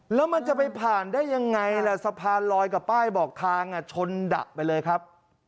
แล้วมันจะไปผ่านได้ยังไงล่ะสะพานลอยกับป้ายบอกทางชนดะไปเลยครับ